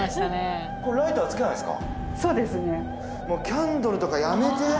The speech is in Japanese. もうキャンドルとかやめて。